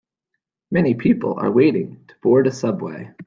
Many people are waiting to board a subway.